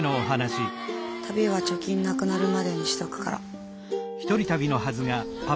旅は貯金なくなるまでにしとくから。